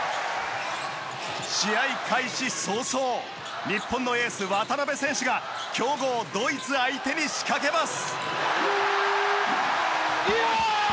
試合開始早々日本のエース、渡邊選手が強豪ドイツ相手に仕掛けます。